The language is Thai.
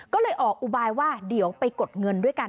ก็เลยออกอุบายว่าเดี๋ยวไปกดเงินด้วยกัน